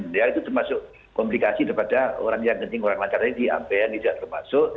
dia itu termasuk komplikasi daripada orang yang ketinggalan caranya di ambehen tidak termasuk